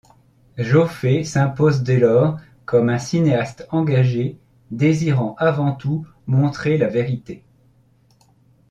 Joffé s'impose dès lors comme un cinéaste engagé, désirant avant tout montrer la vérité.